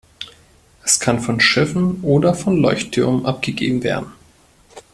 Es kann von Schiffen oder von Leuchttürmen abgegeben werden.